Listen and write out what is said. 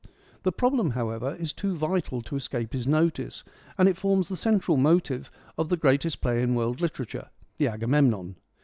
The problem, however, is too vital to escape his notice, and it forms the central motive of the greatest play in world literature, the Agamemnon.